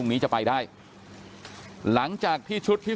อยู่ดีมาตายแบบเปลือยคาห้องน้ำได้ยังไง